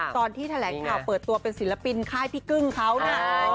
ตอนที่แถลงข่าวเปิดตัวเป็นศิลปินค่ายพี่กึ้งเขานะ